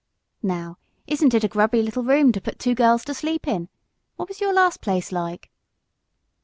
"Now, isn't it a grubby little room to put two girls to sleep in? What was your last place like?"